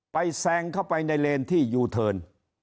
ไปแซงเข้าไปในเลนที่อุทธรณ์